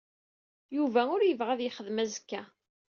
Yuba ur yebɣi ad yexdem azekka.